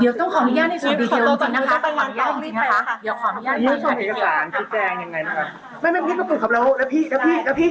เดี๋ยวเดี๋ยวแจ้งแท่นเดียวนะครับ